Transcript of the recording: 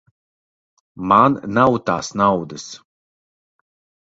Man nav tās naudas.